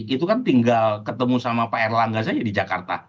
itu kan tinggal ketemu sama pak erlangga saja di jakarta